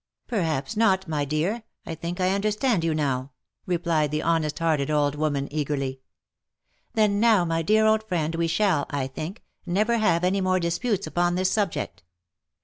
Perhaps not, my dear. I think I understand you now," replied the honest hearted old woman, eagerly. " Then now my dear old friend we shall, I think, never have any more disputes upon this subject.